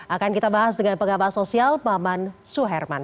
akan kita bahas dengan penggabah sosial maman suherman